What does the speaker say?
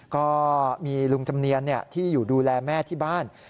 ก็มีลุงจำเนียนที่อยู่ดูแลแม่ที่บ้าน